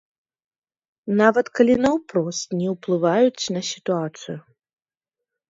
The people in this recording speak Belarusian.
Нават калі наўпрост не ўплываюць на сітуацыю.